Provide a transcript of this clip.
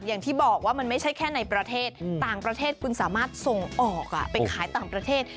อย่างที่บอกว่ามันไม่ใช่แค่ในประเทศต่างประเทศคุณสามารถส่งออกไปขายต่างประเทศ